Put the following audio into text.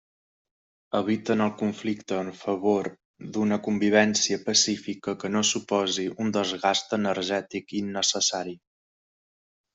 Eviten el conflicte en favor d'una convivència pacífica que no suposi un desgast energètic innecessari.